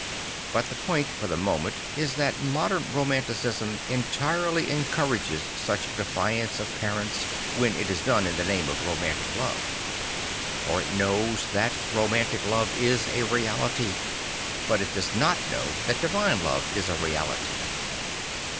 But the point for the moment is that 128 St. Francis of A ssisi modem romanticism entirely encourages such defiance of parents when it is done in the name of romantic love. For it knows that romantic love is a reality, but it does not know that divine love is a reality.